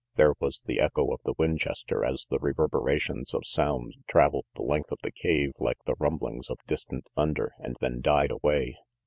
There was the echo of the Winchester as the reverberations of sound traveled the length of the cave like the rumblings of distant thunder, and then died away.